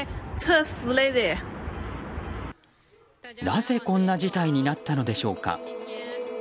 なぜこんな事態になったのでしょうか。